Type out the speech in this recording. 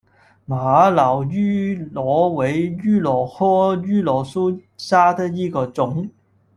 玛瑙芋螺为芋螺科芋螺属下的一个种。